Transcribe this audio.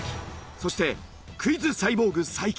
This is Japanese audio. そしてクイズサイボーグ才木。